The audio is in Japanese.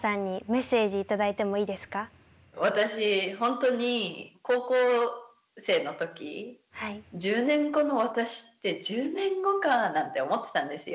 本当に高校生の時１０年後の私って「１０年後か」なんて思ってたんですよ。